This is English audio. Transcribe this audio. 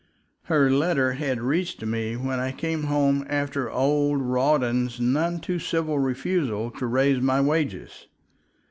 Her letter had reached me when I came home after old Rawdon's none too civil refusal to raise my wages.